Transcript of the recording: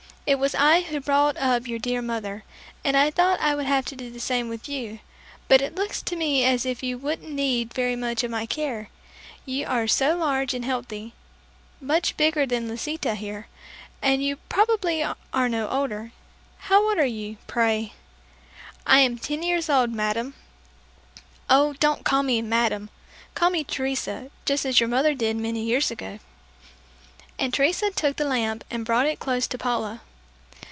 It was I who brought up your dear mother, and I thought I would have to do the same with you; but it looks to me as if you wouldn't need very much of my care. You are so large and healthy, much bigger than Lisita here, and yet you probably are no older. How old are you, pray?" "I am ten years old, madame." "Oh, don't call me 'madame.' Call me Teresa, just as your mother did many years ago." And Teresa took the lamp and brought it close to Paula.